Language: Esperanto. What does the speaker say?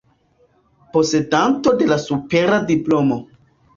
Posedanto de la supera diplomo.